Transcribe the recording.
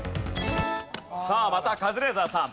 さあまたカズレーザーさん。